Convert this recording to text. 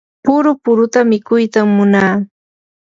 puru puruta mikuytam munaa.